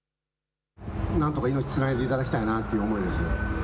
なんとか命をつないでいただきたいという思いです。